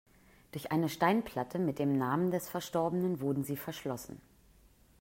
Durch eine Steinplatte mit dem Namen des Verstorbenen wurden sie verschlossen.